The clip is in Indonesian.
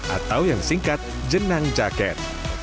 atau yang singkat jenang jaket